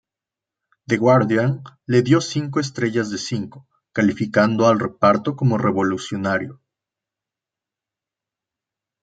The Guardian le dio cinco estrellas de cinco, calificando al reparto como "Revolucionario".